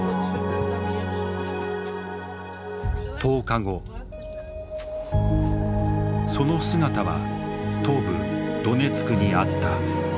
１０日後その姿は東部ドネツクにあった。